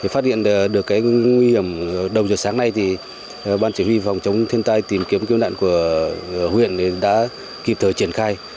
phát hiện được cái nguy hiểm đầu giờ sáng nay thì ban chỉ huy phòng chống thiên tai tìm kiếm kiếm đạn của huyện đã kịp thời triển khai